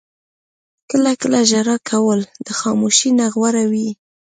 • کله کله ژړا کول د خاموشۍ نه غوره وي.